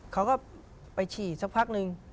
เขาก็ไปฉี่สักพักนึง